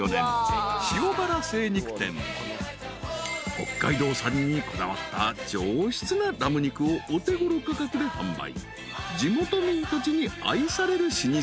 ［北海道産にこだわった上質なラム肉をお手ごろ価格で販売］